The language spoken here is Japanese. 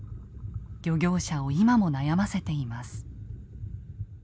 漁業者を今も悩ませています。